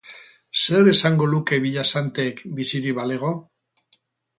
Zer esango luke Villasantek bizirik balego?